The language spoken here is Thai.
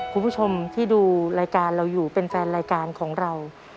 คุณผู้ชมที่ดูรายการเราอยู่เป็นแฟนรายการของเรา